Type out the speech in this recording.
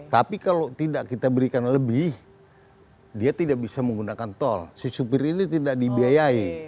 tapi kalau tidak kita berikan lebih dia tidak bisa menggunakan tol si supir ini tidak dibiayai